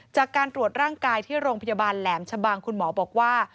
จากการตรวจร่างกายที่โรงพยาบาลแหลมชะบังคุณหมอบอกว่า